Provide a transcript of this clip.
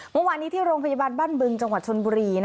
เมื่อวานนี้ที่โรงพยาบาลบ้านบึงจังหวัดชนบุรี